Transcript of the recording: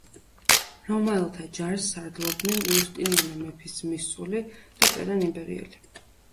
რომაელთა ჯარს სარდლობდნენ იუსტინიანე მეფის ძმისწული და პერან იბერიელი.